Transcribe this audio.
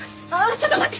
ちょっと待って！